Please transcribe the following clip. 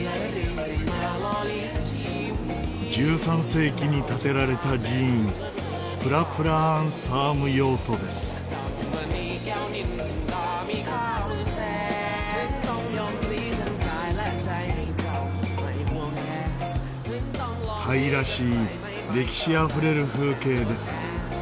１３世紀に建てられた寺院タイらしい歴史あふれる風景です。